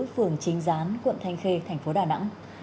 phường chính gián quận thanh khê thành phố đà nẵng